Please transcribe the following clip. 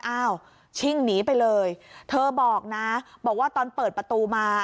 อ้าวชิ่งหนีไปเลยเธอบอกนะบอกว่าตอนเปิดประตูมา